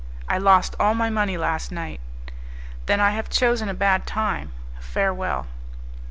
"I lost all my money last night. "Then I have chosen a bad time. Farewell."